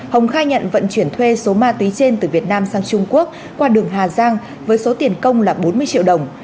hồng khai nhận vận chuyển thuê số ma túy trên từ việt nam sang trung quốc qua đường hà giang với số tiền công là bốn mươi triệu đồng